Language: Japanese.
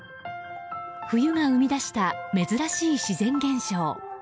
冬が生み出した、珍しい自然現象。